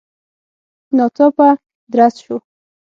ناڅاپه درز شو.